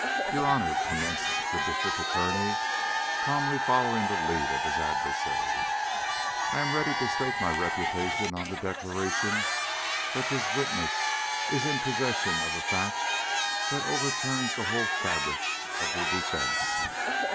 "Your Honor," commenced the District Attorney, calmly following the lead of his adversary, "I am ready to stake my reputation on the declaration that this witness is in possession of a fact that overturns the whole fabric of the defence.